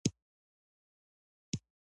آیا غنم د کوکنارو ګټه پوره کوي؟